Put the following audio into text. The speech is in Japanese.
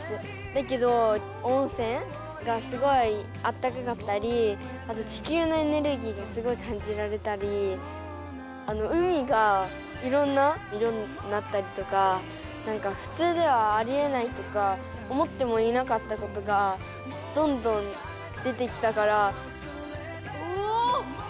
だけどおんせんがすごいあったかかったりあと地きゅうのエネルギーがすごいかんじられたりあの海がいろんな色になったりとかなんかふつうではありえないとか思ってもいなかったことがどんどん出てきたから。